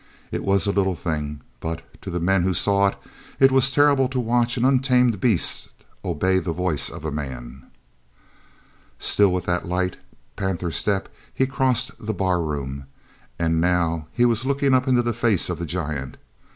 It was a little thing, but, to the men who saw it, it was terrible to watch an untamed beast obey the voice of a man. Still with that light, panther step he crossed the barroom, and now he was looking up into the face of the giant.